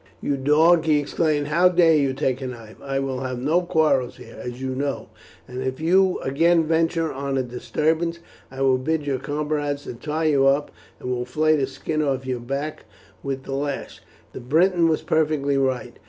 "You dog," he exclaimed, "how dare you take a knife? I will have no quarrels here, as you know; and if you again venture on a disturbance I will bid your comrades tie you up, and will flay the skin off your back with the lash. The Briton was perfectly right.